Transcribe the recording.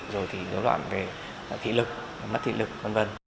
rồi thì dấu loạn về thị lực mất thị lực v v